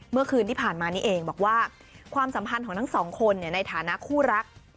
เมื่อคืนที่ผ่านมานี่เองบอกว่าความสัมพันธ์ของทั้งสองคนในฐานะคู่รัก